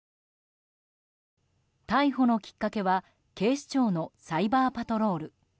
逮捕のきっかけは警視庁のサイバーパトロール。